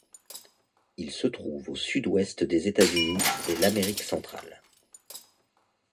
Ils se trouvent au sud-ouest des États-Unis et l'Amérique centrale.